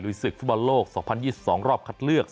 ศึกฟุตบอลโลก๒๐๒๒รอบคัดเลือก